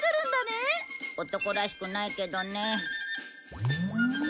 男らしくないけどね。